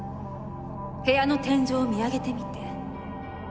部屋の天井を見上げてみて。